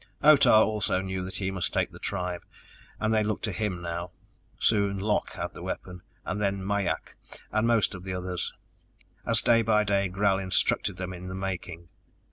Otah also knew that he must take the tribe, and they looked to him now. Soon Lok had the weapon, then Mai ak and most of the others, as day by day Gral instructed them in the making.